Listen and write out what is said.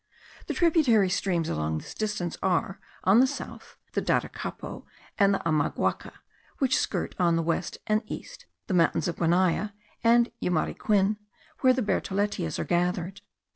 The tributary streams along this distance are, on the south, the Daracapo and the Amaguaca; which skirt on the west and east the mountains of Guanaya and Yumariquin, where the bertholletias are gathered.